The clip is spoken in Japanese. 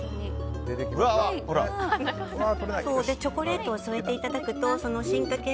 チョコレートを添えていただくと進化系